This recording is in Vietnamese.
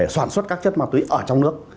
sản xuất các chất ma túy ở trong nước